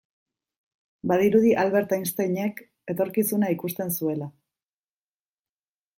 Badirudi Albert Einsteinek etorkizuna ikusten zuela.